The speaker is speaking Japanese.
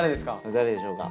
誰でしょうか？